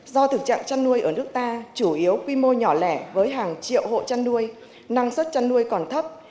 do thực trạng chăn nuôi ở nước ta chủ yếu quy mô nhỏ lẻ với hàng triệu hộ chăn nuôi năng suất chăn nuôi còn thấp